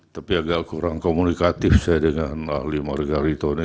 tapi agak kurang komunikatif saya dengan ahli margarito ini